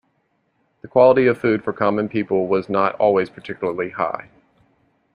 The quality of food for common people was not always particularly high.